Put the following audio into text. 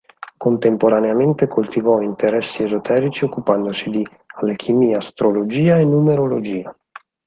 Contemporaneamente coltivò interessi esoterici occupandosi di alchimia, astrologia e numerologia.